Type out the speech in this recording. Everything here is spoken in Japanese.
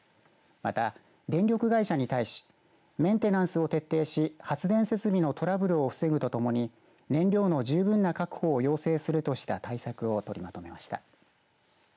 また、電力会社に対しメンテナンスを徹底し発電設備のトラブルを防ぐとともに燃料の十分な確保を要請するとした対策を取りまとめました。